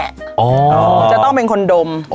จะต้องเป็นคนดม